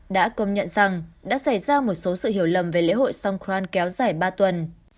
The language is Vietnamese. đã công nhận rằng đã xảy ra một số sự hiểu lầm về lễ hội song khoan kéo dài ba tuần